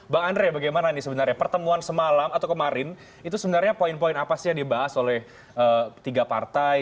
bang andre bagaimana nih sebenarnya pertemuan semalam atau kemarin itu sebenarnya poin poin apa sih yang dibahas oleh tiga partai